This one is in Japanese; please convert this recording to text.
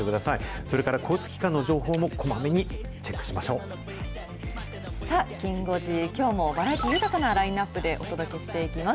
それから交通機関の情報もこまめさあ、きん５時、きょうもバラエティー豊かなラインナップでお届けしていきます。